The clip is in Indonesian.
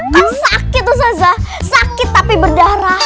kan sakit tuh saza sakit tapi berdarah